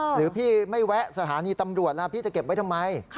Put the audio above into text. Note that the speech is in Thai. หรือพี่ไม่แวะสถานีตำรวจล่ะพี่จะเก็บไว้ทำไม